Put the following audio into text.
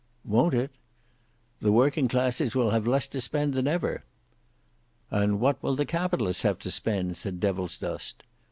"Won't it?" "The working classes will have less to spend than ever." "And what will the Capitalists have to spend?" said Devilsdust.